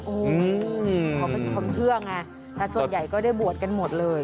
เขาเป็นความเชื่องส่วนใหญ่ก็ได้บวชกันหมดเลย